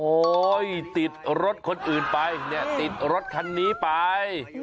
โอ้ยติดรถคนอื่นไปติดรถคันนี้ไป